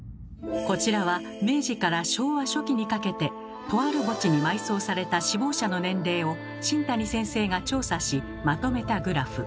こちらは明治から昭和初期にかけてとある墓地に埋葬された死亡者の年齢を新谷先生が調査しまとめたグラフ。